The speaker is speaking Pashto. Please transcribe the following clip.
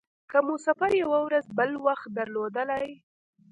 که مو سفر یوه ورځ بل وخت درلودلای.